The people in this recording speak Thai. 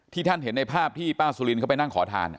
ท่านเห็นในภาพที่ป้าสุลินเข้าไปนั่งขอทาน